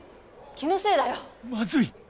気のせいだよマズい！